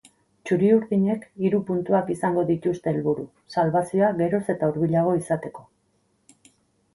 Txuri-urdinek hiru puntuak izango dituzte helburu, salbazioa geroz eta hurbilago izateko.